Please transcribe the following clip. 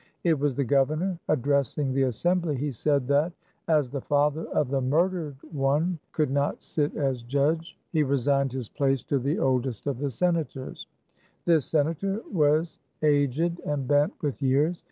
It was the governor. Addressing the assembly, he said that, as the father of the murdered one could not sit as judge, he resigned his place to 146 THE CARAVAN . the oldest of the senators. This senator was aged and bent with years.